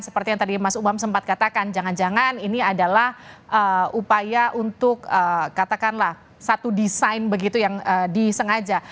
seperti yang tadi mas umam sempat katakan jangan jangan ini adalah upaya untuk katakanlah satu desain begitu yang disengaja